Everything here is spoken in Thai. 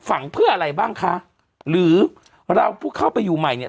ฝังเพื่ออะไรบ้างคะหรือเราผู้เข้าไปอยู่ใหม่เนี่ย